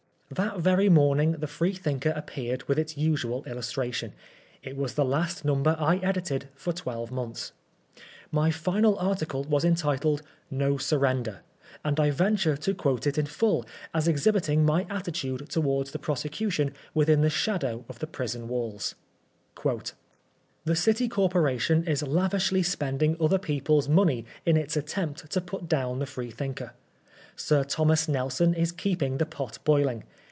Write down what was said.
That very morning the Freethinker appeared with its usual illustration. It was the last number I edited for twelve months. My final article was entitled, " No Surrender," and I venture to quote it in full, as exhibit ing my attitude towards the prosecution within the shadow of the prison walls :— "The City Corporation is lavishly spending other people's money in its attempt to put down the Freethinker. Sir Thomas Nelson is keeping the pot boUing.